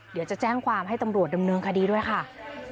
เดี๋ยวจะแจ้งความให้ตำรวจดำเนินคดีด้วยค่ะ